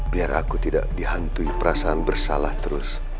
biar aku tidak dihantui perasaan bersalah terus